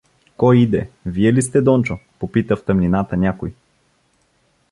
— Кой иде? Вие ли сте, Дончо? — попита в тъмнината някой.